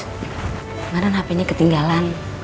kemarin hpnya ketinggalan